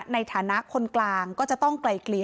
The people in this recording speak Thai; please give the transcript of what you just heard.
ในฐานะคนกลางก็จะต้องไกลเกลี่ย